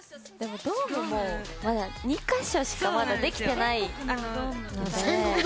ドームもまだ２回しかできてないので。